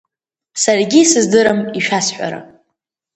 Саргьы исыздырам ишәасҳәара.